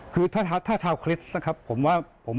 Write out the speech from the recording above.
คือถ้าชาวคริสต์นะครับ